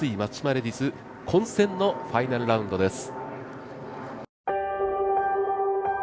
レディス混戦のファイナルラウンドです。